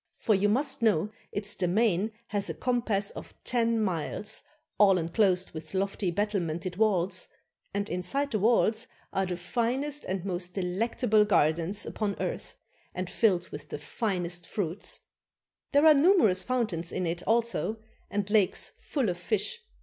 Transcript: For you must know its demesne hath a compass of ten miles, all enclosed with lofty battlemented walls; and inside the walls are the finest and most delectable gardens upon earth and filled with 127 CHINA the finest fruits. There are numerous fountains in it also, and lakes full of fish.